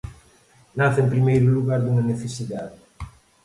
Nace, en primeiro lugar, dunha necesidade.